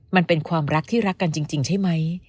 มันเป็นความรักที่รักกันจริงใช่ไหม